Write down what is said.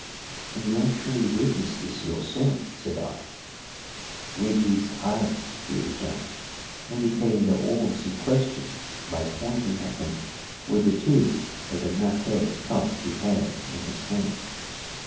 "And you actually witnessed this yourself?" said I. "With these eyes," he returned, indicating the orbs in question by pointing at them with the tube of the maté cup he held in his hand.